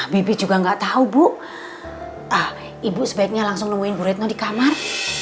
bibik juga gak tahu bu ibu sebaiknya langsung nemuin bu retno di kamar